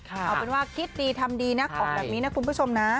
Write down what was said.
เอาเป็นว่าคิดดีทำดีนะของแบบนี้นะคุณผู้ชมนะ